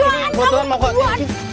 ini kebetulan mau